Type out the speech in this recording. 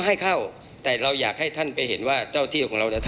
มีการที่จะพยายามติดศิลป์บ่นเจ้าพระงานนะครับ